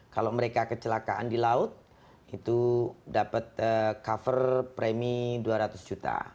kalau mereka kecelakaan di laut itu dapat cover premi dua ratus juta